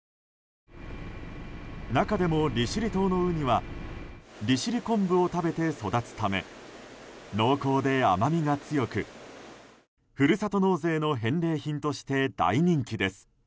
中でも、利尻島のウニは利尻昆布を食べて育つため濃厚で甘みが強くふるさと納税の返礼品として大人気です。